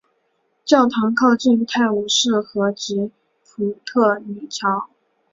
教堂靠近泰晤士河及普特尼桥。